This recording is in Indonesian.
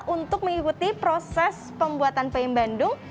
untuk mengikuti proses pembuatan peyem bandung